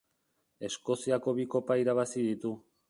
Eskoziako bi Kopa irabazi ditu.